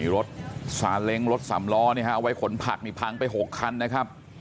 รถซาเล้งรถสำล้อเอาไว้ขนผักนี่พังไป๖คันนะครับ